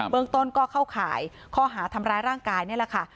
เมืองต้นก็เข้าข่ายข้อหาทำร้ายร่างกายนี่แหละค่ะ